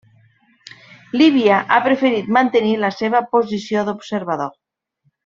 Líbia ha preferit mantenir la seva posició d'observador.